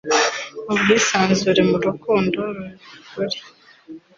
ubwisanzure mu rukundo rw'ukuri